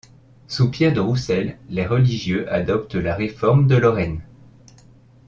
Sous Pierre de Roussel, les religieux adoptent la réforme de Lorraine.